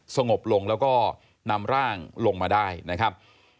สงบลงแล้วก็นำร่างลงมาได้นะครับ